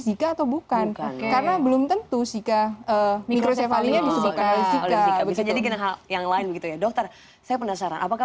zika atau bukan karena belum tentu zika mikrosevali yang lain begitu ya dokter saya penasaran apakah